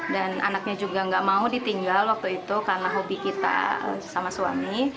dan anaknya juga nggak mau ditinggal waktu itu karena hobi kita sama suami